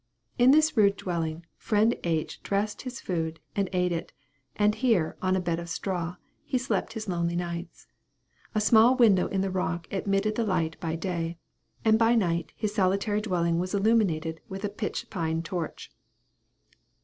In this rude dwelling, friend H. dressed his food, and ate it; and here, on a bed of straw, he spent his lonely nights. A small window in the rock wall admitted the light by day; and by night, his solitary dwelling was illuminated with a pitch pine torch.